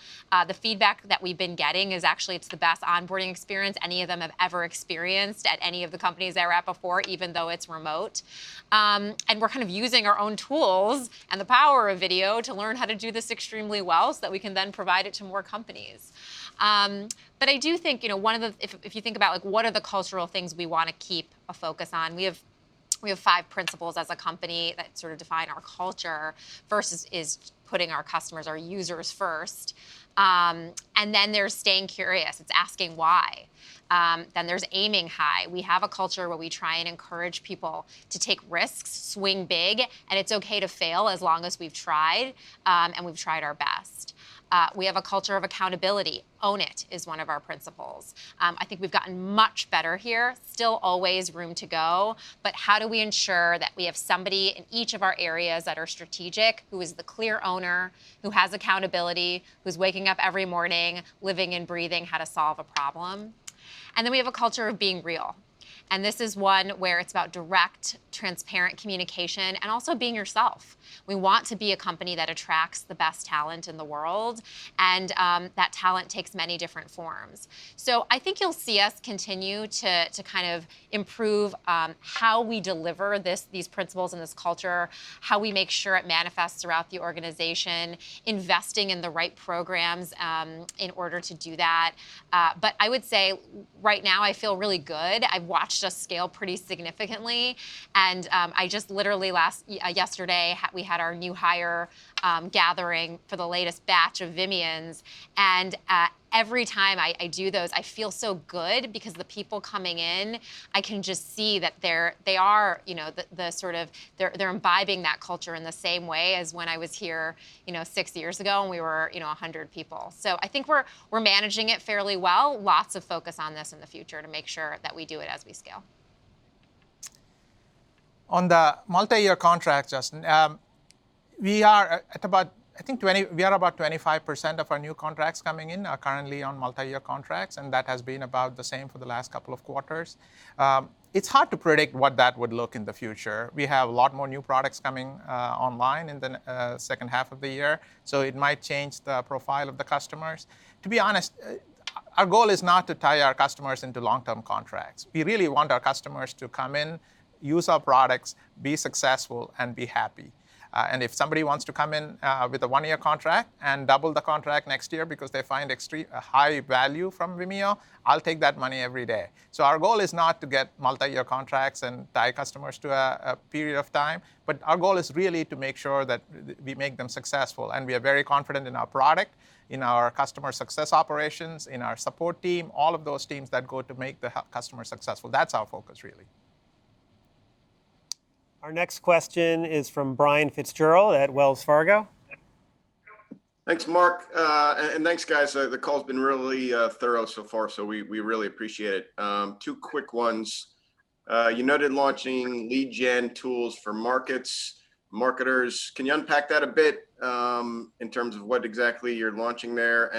The feedback that we've been getting is actually it's the best onboarding experience any of them have ever experienced at any of the companies they were at before, even though it's remote. We're kind of using our own tools and the power of video to learn how to do this extremely well so that we can then provide it to more companies. I do think if you think about what are the cultural things we want to keep a focus on, we have five principles as a company that sort of define our culture. First is putting our customers, our users first. There's staying curious. It's asking why. There's aiming high. We have a culture where we try and encourage people to take risks, swing big, and it's okay to fail as long as we've tried, and we've tried our best. We have a culture of accountability. Own it is one of our principles. I think we've gotten much better here. Still always room to go, but how do we ensure that we have somebody in each of our areas that are strategic, who is the clear owner, who has accountability, who's waking up every morning living and breathing how to solve a problem? We have a culture of being real, this is one where it's about direct, transparent communication and also being yourself. We want to be a company that attracts the best talent in the world, that talent takes many different forms. I think you'll see us continue to kind of improve how we deliver these principles and this culture, how we make sure it manifests throughout the organization, investing in the right programs in order to do that. I would say right now I feel really good. I've watched us scale pretty significantly, and I just literally yesterday we had our new hire gathering for the latest batch of Vimians, and every time I do those, I feel so good because the people coming in, I can just see that they're imbibing that culture in the same way as when I was here six years ago, and we were 100 people. I think we're managing it fairly well. Lots of focus on this in the future to make sure that we do it as we scale. On the multi-year contract, Justin, we are at about 25% of our new contracts coming in are currently on multi-year contracts, and that has been about the same for the last couple of quarters. It is hard to predict what that would look in the future. It might change the profile of the customers. To be honest, our goal is not to tie our customers into long-term contracts. We really want our customers to come in, use our products, be successful, and be happy. If somebody wants to come in with a one-year contract and double the contract next year because they find extreme high value from Vimeo, I will take that money every day. Our goal is not to get multi-year contracts and tie customers to a period of time, but our goal is really to make sure that we make them successful, and we are very confident in our product, in our customer success operations, in our support team, all of those teams that go to make the customer successful. That's our focus, really. Our next question is from Brian Fitzgerald at Wells Fargo. Thanks, Mark. And thanks, guys. The call's been really thorough so far, so we really appreciate it. Two quick ones. You noted launching lead gen tools for markets, marketers. Can you unpack that a bit in terms of what exactly you're launching there?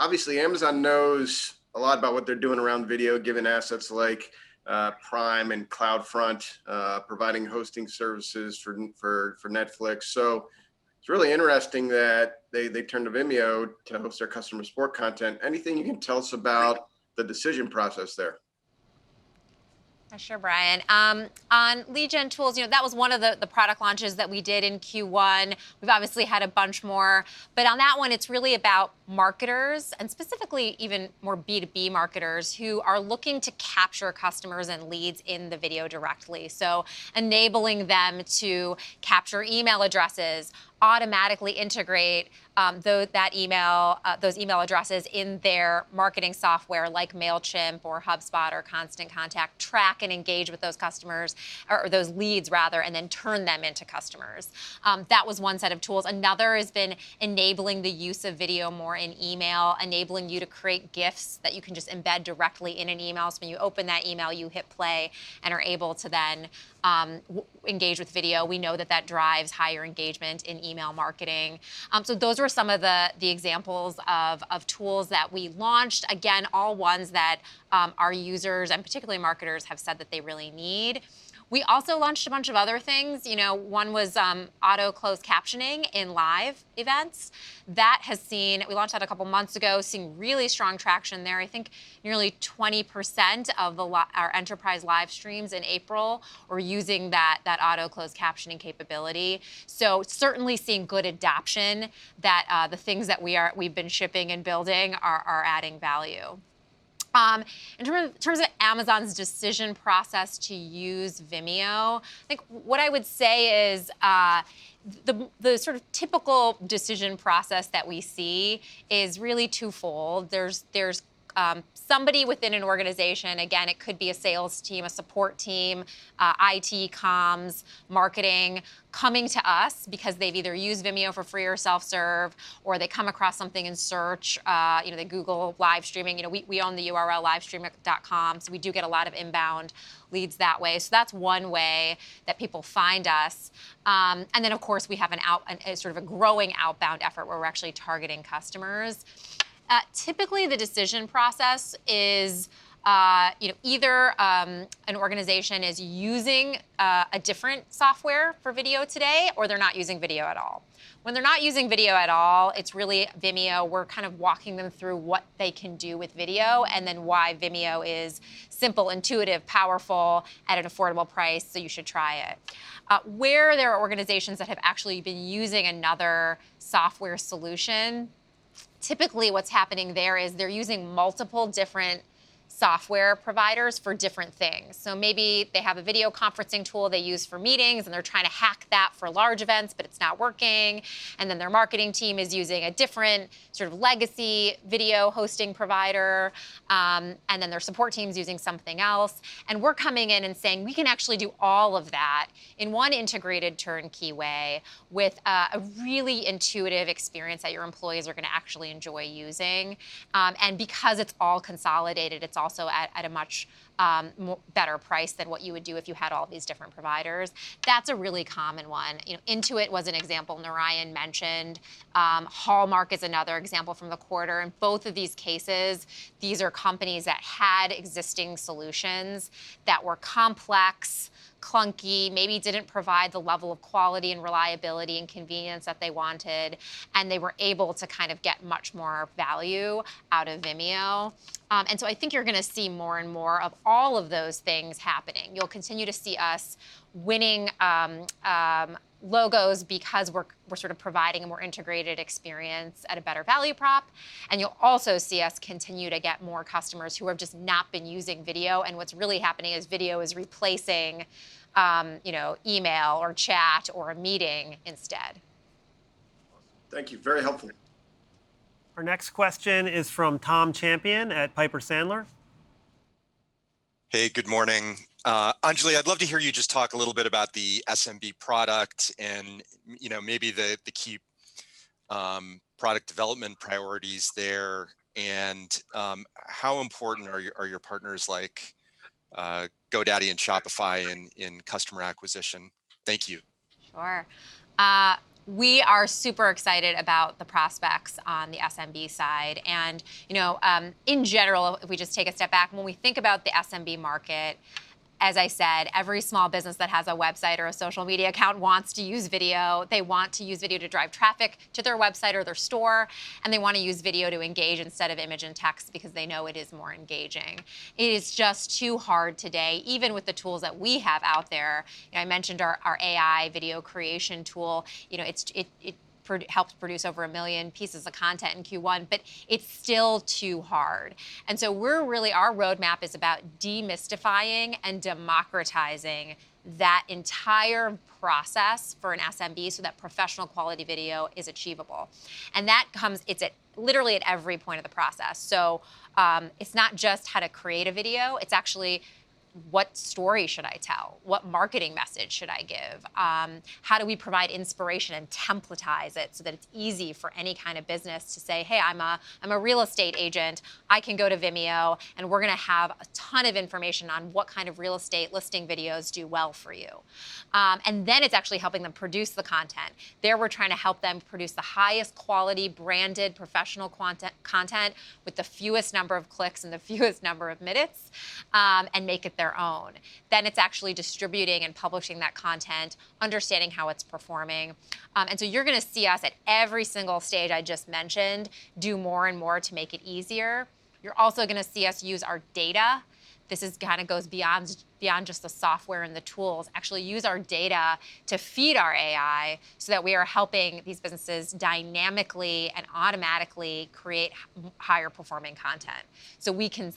Obviously Amazon knows a lot about what they're doing around video, given assets like Prime and CloudFront providing hosting services for Netflix. It's really interesting that they turned to Vimeo to host their customer support content. Anything you can tell us about the decision process there? Yeah, sure, Brian. On lead gen tools, that was one of the product launches that we did in Q1. We've obviously had a bunch more. On that one, it's really about marketers, and specifically even more B2B marketers, who are looking to capture customers and leads in the video directly. Enabling them to capture email addresses, automatically integrate those email addresses in their marketing software like Mailchimp or HubSpot or Constant Contact, track and engage with those customers, or those leads rather, and then turn them into customers. That was one set of tools. Another has been enabling the use of video more in email, enabling you to create GIFs that you can just embed directly in an email. When you open that email, you hit play and are able to then engage with video. We know that that drives higher engagement in email marketing. Those were some of the examples of tools that we launched. Again, all ones that our users and particularly marketers have said that they really need. We also launched a bunch of other things. One was auto closed captioning in live events. We launched that a couple of months ago, seeing really strong traction there. I think nearly 20% of our enterprise live streams in April were using that auto closed captioning capability. Certainly seeing good adoption that the things that we've been shipping and building are adding value. In terms of Amazon's decision process to use Vimeo, I think what I would say is the sort of typical decision process that we see is really twofold. There's somebody within an organization, again, it could be a sales team, a support team, IT, comms, marketing, coming to us because they've either used Vimeo for free or self-serve, or they come across something in search. They Google live streaming. We own the URL livestream.com, so we do get a lot of inbound leads that way. That's one way that people find us. Of course, we have a sort of a growing outbound effort where we're actually targeting customers. Typically, the decision process is either an organization is using a different software for video today, or they're not using video at all. When they're not using video at all, it's really Vimeo. We're kind of walking them through what they can do with video and then why Vimeo is simple, intuitive, powerful at an affordable price, so you should try it. Where there are organizations that have actually been using another software solution, typically what's happening there is they're using multiple different software providers for different things. Maybe they have a video conferencing tool they use for meetings, and they're trying to hack that for large events, but it's not working. Their marketing team is using a different sort of legacy video hosting provider. Their support team's using something else. We're coming in and saying we can actually do all of that in one integrated turnkey way with a really intuitive experience that your employees are going to actually enjoy using. Because it's all consolidated, it's also at a much better price than what you would do if you had all these different providers. That's a really common one. Intuit was an example Narayan mentioned. Hallmark is another example from the quarter. In both of these cases, these are companies that had existing solutions that were complex, clunky, maybe didn't provide the level of quality and reliability and convenience that they wanted, and they were able to kind of get much more value out of Vimeo. I think you're going to see more and more of all of those things happening. You'll continue to see us winning logos because we're sort of providing a more integrated experience at a better value prop. You'll also see us continue to get more customers who have just not been using video. What's really happening is video is replacing email or chat or a meeting instead. Thank you. Very helpful. Our next question is from Tom Champion at Piper Sandler. Hey, good morning. Anjali, I'd love to hear you just talk a little bit about the SMB product and maybe the key product development priorities there. How important are your partners like GoDaddy and Shopify in customer acquisition? Thank you. Sure. We are super excited about the prospects on the SMB side. In general, if we just take a step back, when we think about the SMB market, as I said, every small business that has a website or a social media account wants to use video. They want to use video to drive traffic to their website or their store and they want to use video to engage instead of image and text because they know it is more engaging. It is just too hard today, even with the tools that we have out there. I mentioned our AI video creation tool. It helps produce over 1 million pieces of content in Q1, but it's still too hard. Our roadmap is about demystifying and democratizing that entire process for an SMB, so that professional quality video is achievable. That comes, it's at literally at every point of the process. It's not just how to create a video, it's actually what story should I tell? What marketing message should I give? How do we provide inspiration and templatize it so that it's easy for any kind of business to say, "Hey, I'm a real estate agent. I can go to Vimeo, and we're going to have a ton of information on what kind of real estate listing videos do well for you." It's actually helping them produce the content. There, we're trying to help them produce the highest quality branded professional content with the fewest number of clicks and the fewest number of minutes, and make it their own. It's actually distributing and publishing that content, understanding how it's performing. You're going to see us at every single stage I just mentioned do more and more to make it easier. You're also going to see us use our data. This kind of goes beyond just the software and the tools. Actually use our data to feed our AI so that we are helping these businesses dynamically and automatically create higher-performing content.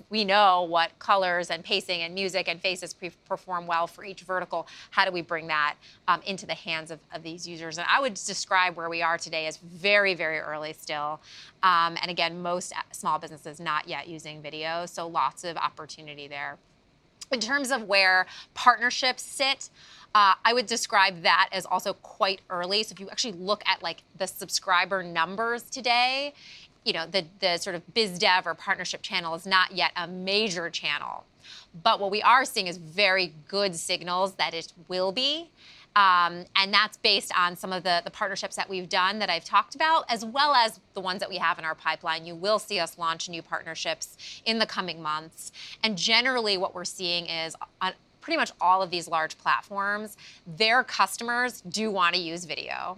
We know what colors and pacing and music and faces perform well for each vertical. How do we bring that into the hands of these users? I would describe where we are today as very early still. Again, most small businesses not yet using video, so lots of opportunity there. In terms of where partnerships sit, I would describe that as also quite early. If you actually look at the subscriber numbers today, the sort of biz dev or partnership channel is not yet a major channel. What we are seeing is very good signals that it will be, and that's based on some of the partnerships that we've done that I've talked about, as well as the ones that we have in our pipeline. You will see us launch new partnerships in the coming months. Generally what we're seeing is on pretty much all of these large platforms, their customers do want to use video.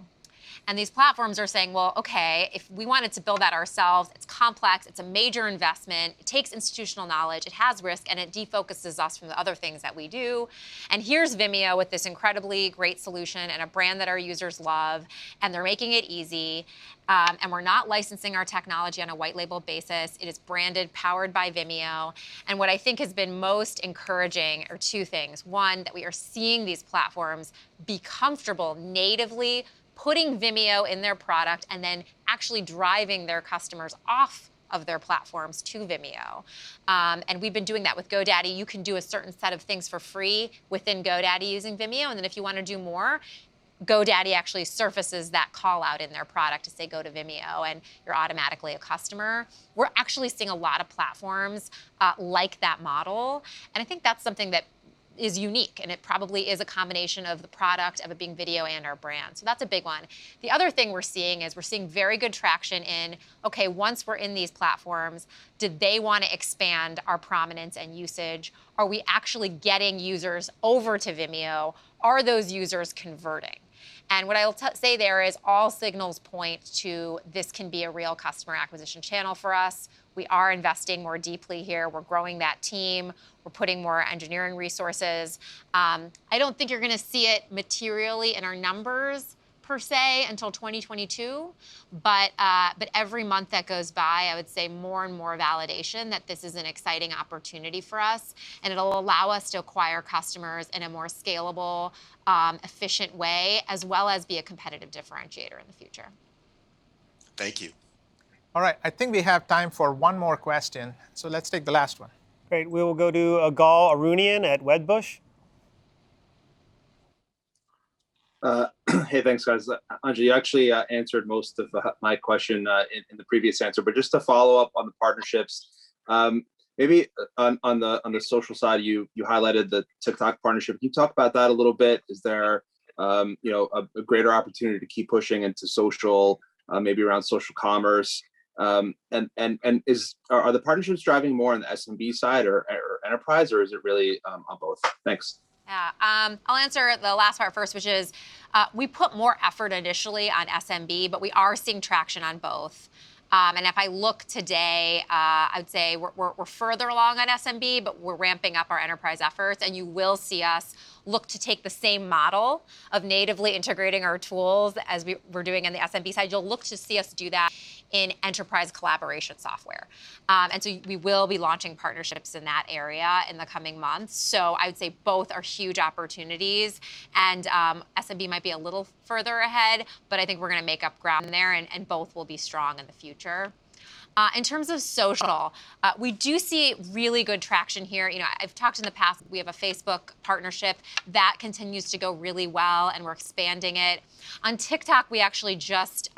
These platforms are saying, "Well, okay. If we wanted to build that ourselves, it's complex, it's a major investment, it takes institutional knowledge, it has risk, and it defocuses us from the other things that we do. Here's Vimeo with this incredibly great solution and a brand that our users love, and they're making it easy. We're not licensing our technology on a white label basis. It is branded, powered by Vimeo. What I think has been most encouraging are two things. One, that we are seeing these platforms be comfortable natively putting Vimeo in their product and then actually driving their customers off of their platforms to Vimeo. We've been doing that with GoDaddy. You can do a certain set of things for free within GoDaddy using Vimeo. Then if you want to do more, GoDaddy actually surfaces that call-out in their product to say, "Go to Vimeo," and you're automatically a customer. We're actually seeing a lot of platforms like that model. I think that's something that is unique. It probably is a combination of the product, of it being video, and our brand. That's a big one. The other thing we're seeing is we're seeing very good traction in, okay, once we're in these platforms, did they want to expand our prominence and usage? Are we actually getting users over to Vimeo? Are those users converting? What I'll say there is all signals point to this can be a real customer acquisition channel for us. We are investing more deeply here. We're growing that team. We're putting more engineering resources. I don't think you're going to see it materially in our numbers, per se, until 2022. Every month that goes by, I would say more and more validation that this is an exciting opportunity for us, and it'll allow us to acquire customers in a more scalable, efficient way, as well as be a competitive differentiator in the future. Thank you. All right. I think we have time for one more question, so let's take the last one. Great. We will go to Ygal Arounian at Wedbush. Hey, thanks, guys. Anjali, you actually answered most of my question in the previous answer, but just to follow up on the partnerships. Maybe on the social side, you highlighted the TikTok partnership. Can you talk about that a little bit? Is there a greater opportunity to keep pushing into social, maybe around social commerce? Are the partnerships driving more on the SMB side or enterprise, or is it really on both? Thanks. I'll answer the last part first, which is we put more effort initially on SMB, but we are seeing traction on both. If I look today, I would say we're further along on SMB, but we're ramping up our enterprise efforts, and you will see us look to take the same model of natively integrating our tools as we're doing on the SMB side. You'll look to see us do that in enterprise collaboration software. We will be launching partnerships in that area in the coming months. I would say both are huge opportunities, and SMB might be a little further ahead, but I think we're going to make up ground there, and both will be strong in the future. In terms of social, we do see really good traction here. I've talked in the past, we have a Facebook partnership. That continues to go really well, and we're expanding it. On TikTok, we actually just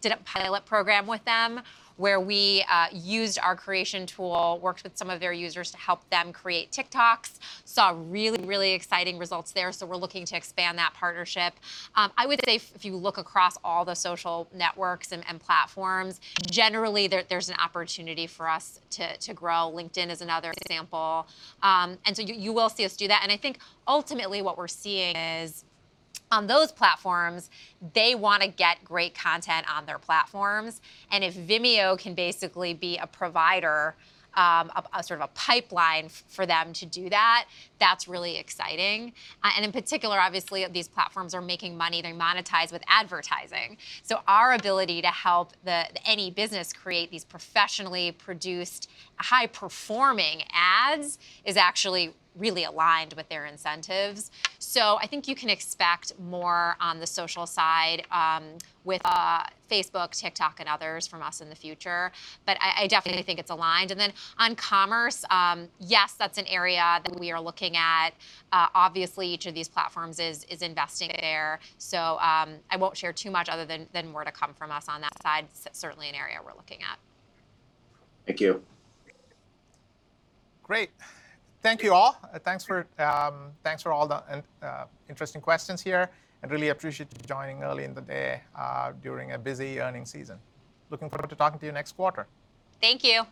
did a pilot program with them where we used our creation tool, worked with some of their users to help them create TikToks. Saw really exciting results there, so we're looking to expand that partnership. I would say if you look across all the social networks and platforms, generally, there's an opportunity for us to grow. LinkedIn is another example. You will see us do that, and I think ultimately what we're seeing is on those platforms, they want to get great content on their platforms. If Vimeo can basically be a provider, a sort of a pipeline for them to do that's really exciting. In particular, obviously, these platforms are making money. They monetize with advertising. Our ability to help any business create these professionally produced, high-performing ads is actually really aligned with their incentives. I think you can expect more on the social side with Facebook, TikTok, and others from us in the future. I definitely think it's aligned. On commerce, yes, that's an area that we are looking at. Obviously, each of these platforms is investing there. I won't share too much other than more to come from us on that side. Certainly an area we're looking at. Thank you. Great. Thank you all, and thanks for all the interesting questions here, and really appreciate you joining early in the day during a busy earnings season. Looking forward to talking to you next quarter. Thank you.